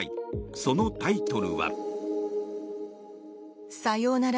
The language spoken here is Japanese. そのタイトルは。